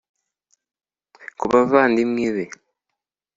Ku bavandimwe be